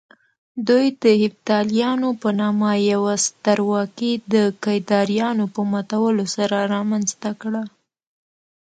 دوی د هېپتاليانو په نامه يوه سترواکي د کيداريانو په ماتولو سره رامنځته کړه